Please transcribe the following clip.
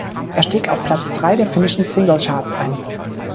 Er stieg auf Platz drei der finnischen Singlecharts ein.